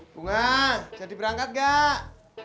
bunga jadi berangkat gak